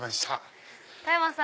田山さん